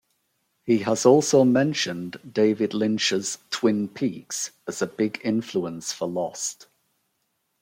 He has also mentioned David Lynch's "Twin Peaks" as a big influence for "Lost".